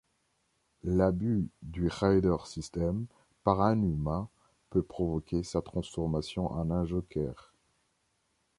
L'abus du Rider System par un humain peut provoquer sa transformation en un Joker.